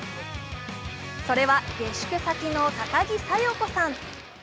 それは下宿先の高木佐代子さん。